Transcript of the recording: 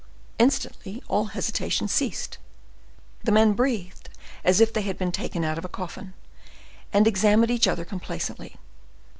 Instantly all hesitation ceased; the men breathed as if they had been taken out of a coffin, and examined each other complacently.